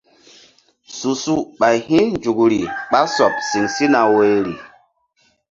Su su ɓay hi̧nzukri ɓa sɔɓ siŋ sina woyri.